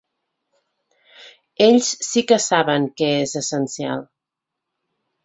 Ells sí que saben què és essencial.